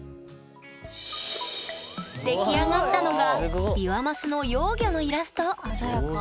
出来上がったのがビワマスの幼魚のイラスト鮮やか。